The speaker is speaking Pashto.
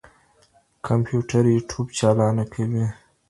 کمپيوټر يوټيوب چالانه کوي.